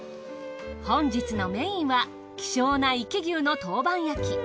本日のメインは希少な壱岐牛の陶板焼き。